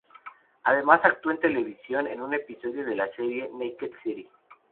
Además, actuó en la televisión, en un episodio de la serie "Naked City".